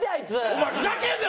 お前ふざけんな！